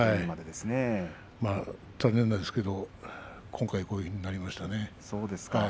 残念なんですけど今回こういう決断に至りました。